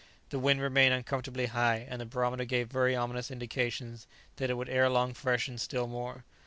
The wind remained uncomfortably high, and the barometer gave very ominous indications that it would ere long freshen still more.